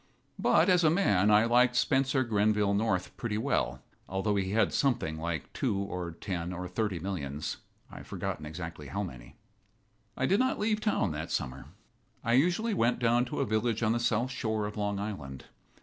But, as a man, I liked Spencer Grenville North pretty well, although he had something like two or ten or thirty millions I've forgotten exactly how many. I did not leave town that summer. I usually went down to a village on the south shore of Long Island.